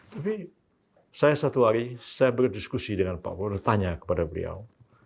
tapi saya satu hari saya berdiskusi dengan pak prabowo tanya kepada beliau